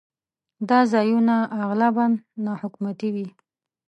دا ځایونه اغلباً ناحکومتي وي.